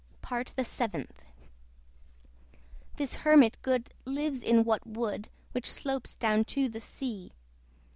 PART THE SEVENTH. This Hermit good lives in that wood Which slopes down to the sea.